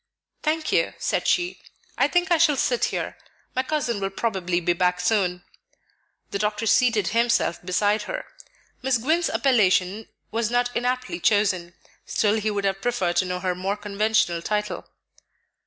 "Thank you," said she; "I think I shall sit here. My cousin will probably be back soon." The doctor seated himself beside her. Miss Gwynne's appellation was not inaptly chosen, still he would have preferred to know her more conventional title.